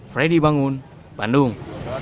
freddy bangun bandung